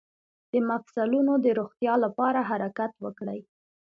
د مفصلونو د روغتیا لپاره حرکت وکړئ